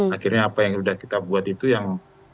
akhirnya apa yang sudah kita buat itu yang